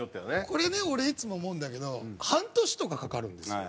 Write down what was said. これね俺いつも思うんだけど半年とかかかるんですよ。